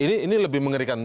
ini lebih mengerikan